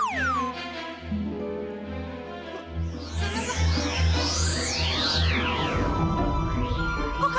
kok aku bisa terbangin